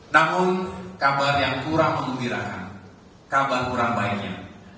namun kabar yang kurang mengembirakan kabar kurang baiknya